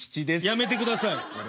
やめてください。